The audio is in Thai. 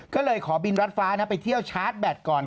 ก็เลยขอบินรัดฟ้าไปเที่ยวชาร์จแบตก่อน